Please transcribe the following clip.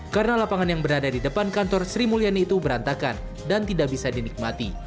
karena lapangan yang berada di depan kantor sri mulyani itu berantakan dan tidak bisa dinikmati